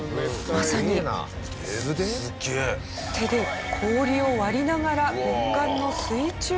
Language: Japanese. まさに手で氷を割りながら極寒の水中へ。